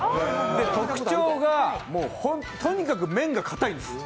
特徴が、とにかく麺がかたんですよ。